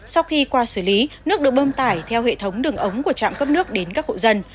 sau khi qua xử lý nước được bơm tải theo hệ thống đường ống của trạm cấp nước đến các hộ dân